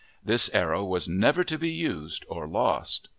This arrow was never to be used or lost.